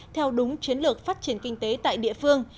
theo đúng chiến lược phát triển kinh tế tại địa phương